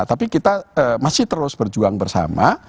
tapi kita masih terus berjuang bersama